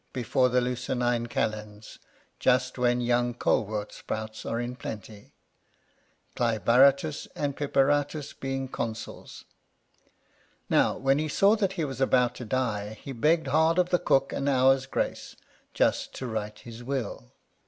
before the Lucernine Kalends, just when young colewortsprouts are in plenty, Clybaratus and Piperatus being Consuls. Now when he saw that he was about to die, he begged hard of the cook an hour's grace, just to write his will.